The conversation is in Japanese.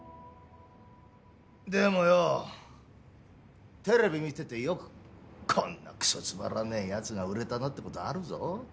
でもよテレビ見ててよくこんなクソつまらねえ奴が売れたなって事あるぞ。